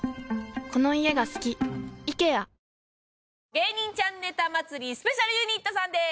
『芸人ちゃんネタ祭り』スペシャルユニットさんです。